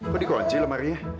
kok dikunci lemari ya